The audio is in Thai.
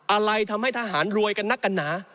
อะไรทำให้ทหารรวยกันนักกันหนา